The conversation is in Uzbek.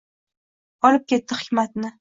Olib ketdi hikmatni.